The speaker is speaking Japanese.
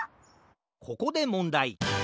ここでもんだい！